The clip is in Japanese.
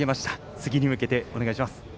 次に向けてお願いします。